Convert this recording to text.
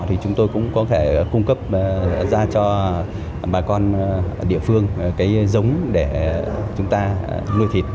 thì chúng tôi cũng có thể cung cấp ra cho bà con địa phương cái giống để chúng ta nuôi thịt